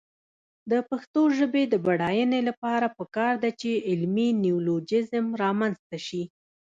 د پښتو ژبې د بډاینې لپاره پکار ده چې علمي نیولوجېزم رامنځته شي.